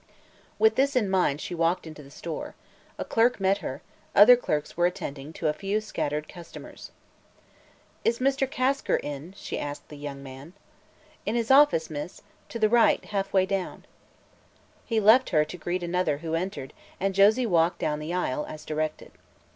With this in mind she walked into the store. A clerk met her; other clerks were attending to a few scattered customers. "Is Mr. Kasker in?" she asked the young man. "In his office, miss; to the right, half way down." He left her to greet another who entered and Josie walked down the aisle, as directed.